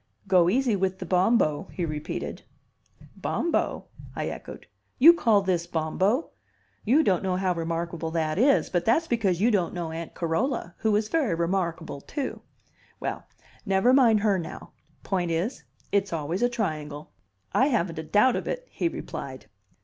"Go easy with the Bombo," he repeated. "Bombo?" I echoed. "You call this Bombo? You don't know how remarkable that is, but that's because you don't know Aunt Carola, who is very remarkable, too. Well, never mind her now. Point is, it's always a triangle." "I haven't a doubt of it," he replied.